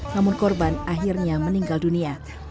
namun korban akhirnya meninggal dunia